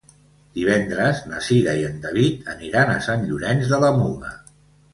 Divendres na Cira i en David aniran a Sant Llorenç de la Muga.